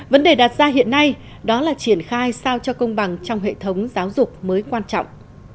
vấn đề đặt ra hiện nay đó là triển khai sao cho công bằng trong hệ thống giáo dục mới quan trọng